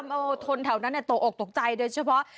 เอาคนแถวนั้นตกออกตกใจโดยเฉพาะ